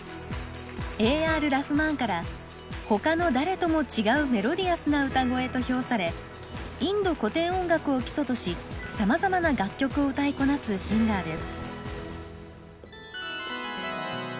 Ａ．Ｒ．ラフマーンから「他の誰とも違うメロディアスな歌声」と評されインド古典音楽を基礎としさまざまな楽曲を歌いこなすシンガーです。